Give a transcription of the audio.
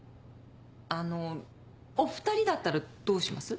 あのお２人だったらどうします？